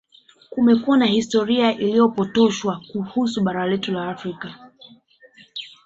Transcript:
Kumekuwa na historia iliyopotoshwa kuhusu bara letu la Afrika